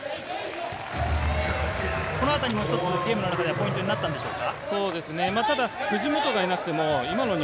このあたりも一つ、ゲームのポイントになったんでしょうか？